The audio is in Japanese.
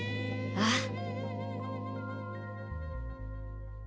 ああ。